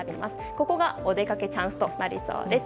ここがお出かけチャンスとなりそうです。